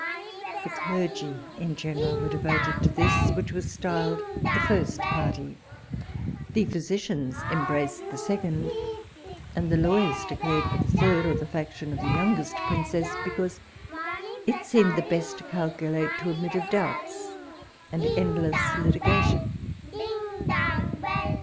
The clergy in general were devoted to this, which was styled the first party. The physicians embraced the second; and the lawyers declared for the third, or the faction of the youngest princess, because it seemed best calculated to admit of doubts and endless litigation.